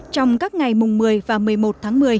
trong các ngày mùng một mươi và một mươi một tháng một mươi